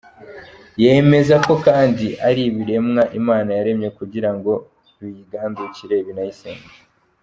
Yemeza ko kandi ari ibiremwa Imana yaremye kugirango biyigandukire binayisenge.